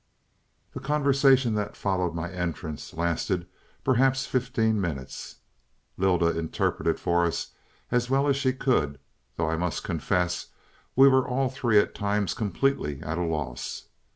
"The conversation that followed my entrance, lasted perhaps fifteen minutes. Lylda interpreted for us as well as she could, though I must confess we were all three at times completely at a loss.